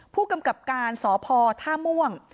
ผู้กำกับการสพท่าม่วง